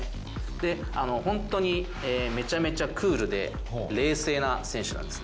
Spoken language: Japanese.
でホントにめちゃめちゃクールで冷静な選手なんです。